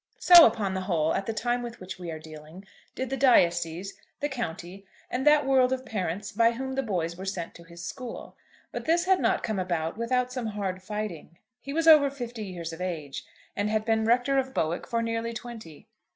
So, upon the whole, at the time with which we are dealing, did the diocese, the county, and that world of parents by whom the boys were sent to his school. But this had not come about without some hard fighting. He was over fifty years of age, and had been Rector of Bowick for nearly twenty.